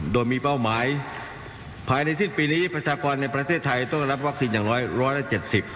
โดยมีเป้าหมายภายในสิ้นปีนี้ประชากรในประเทศไทยต้องรับวัคซีนอย่างน้อยร้อยละเจ็ดสิบ